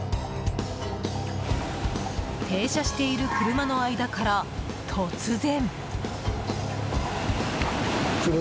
停車している車の間から、突然。